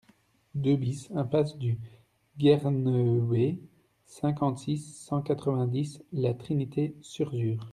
deux BIS impasse du Guernehué, cinquante-six, cent quatre-vingt-dix, La Trinité-Surzur